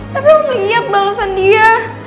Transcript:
tapi aku lihat balasan dia